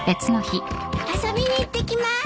遊びに行ってきます。